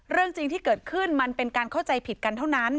เรื่องจริงที่เกิดขึ้นมันเป็นการเข้าใจผิดกันเท่านั้น